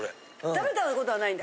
食べたことはないんだ？